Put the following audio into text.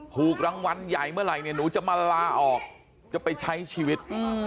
ถูกรางวัลใหญ่เมื่อไหร่เนี่ยหนูจะมาลาออกจะไปใช้ชีวิต